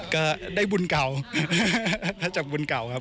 ก็ได้บุญเก่าถ้าจากบุญเก่าครับ